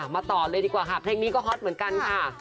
ต่อเลยดีกว่าค่ะเพลงนี้ก็ฮอตเหมือนกันค่ะ